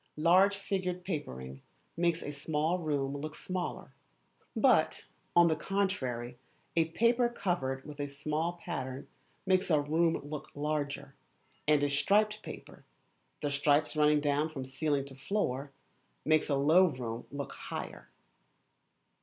Large figured papering makes a small room look smaller, but, on the contrary, a paper covered with a small pattern makes a room look larger, and a striped paper, the stripes running from ceiling to floor, makes a low room look higher.